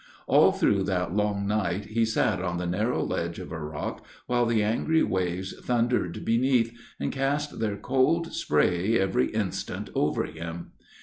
All through that long night he sat on the narrow ledge of a rock, while the angry waves thundered beneath, and cast their cold spray every instant over him.